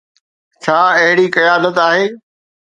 ڇا اهڙي قيادت آهي؟